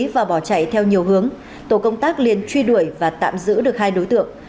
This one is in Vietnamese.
và bỏ chạy theo nhiều hướng tổ công tác liên truy đuổi và tạm giữ được hai đối tượng